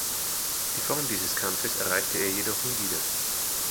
Die Form dieses Kampfes erreichte er jedoch nie wieder.